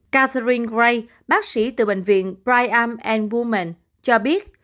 catherine gray bác sĩ từ bệnh viện bryant bullman cho biết